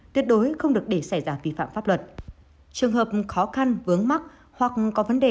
tuyệt đối không được để xảy ra vi phạm pháp luật trường hợp khó khăn vướng mắc hoặc có vấn đề